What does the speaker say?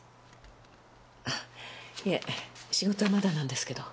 いえ仕事はまだなんですけど。